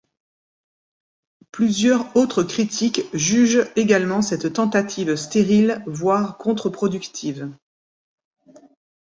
Plusieurs autres critiques jugent également cette tentative stérile voire contre-productive.